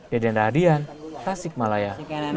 deden radian tasikmalaya